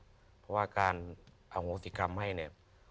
เพราะว่าการอโหสิกรรมให้เนี่ย